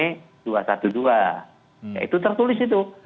ya itu tertulis itu